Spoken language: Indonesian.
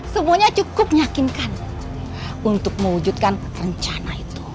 semuanya cukup yakinkan untuk mewujudkan rencana itu